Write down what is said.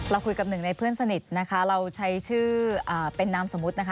คุยกับหนึ่งในเพื่อนสนิทนะคะเราใช้ชื่อเป็นนามสมมุตินะคะ